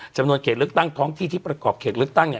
จำนวนเขตเลือกตั้งท้องที่ที่ประกอบเขตเลือกตั้งเนี่ย